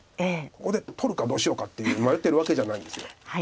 ここで取るかどうしようかっていう迷ってるわけじゃないんです。